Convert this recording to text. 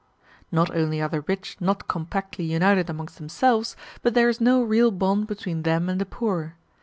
Not only are the rich not compactly united amongst themselves, but there is no real bond between them and the poor.